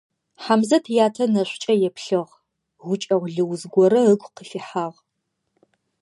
Хьамзэт ятэ нэшӀукӀэ еплъыгъ, гукӀэгъу лыуз горэ ыгу къыфихьагъ.